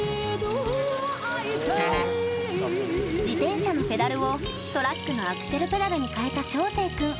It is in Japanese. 自転車のペダルをトラックのアクセルペダルにかえた翔星君。